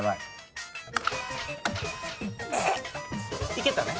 いけたね。